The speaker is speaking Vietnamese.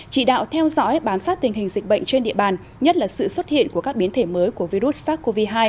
chỉ đạo theo dõi bám sát tình hình dịch bệnh trên địa bàn nhất là sự xuất hiện của các biến thể mới của virus sars cov hai